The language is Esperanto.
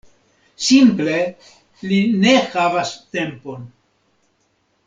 Simple li ne havas tempon.